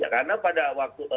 karena pada waktu